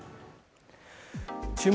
「注目！